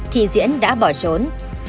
thì diễn đã bỏ trốn